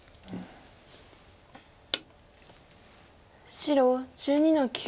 白１２の九。